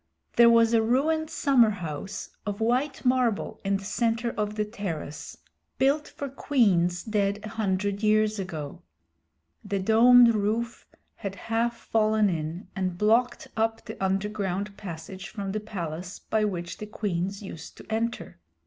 There was a ruined summer house of white marble in the center of the terrace, built for queens dead a hundred years ago. The domed roof had half fallen in and blocked up the underground passage from the palace by which the queens used to enter.